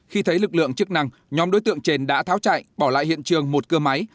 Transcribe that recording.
khi thấy lực lượng chức năng nhóm đối tượng trên đã tháo chạy bỏ lại hiện trường một cưa máy